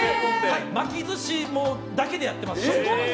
巻き寿司だけでやっています。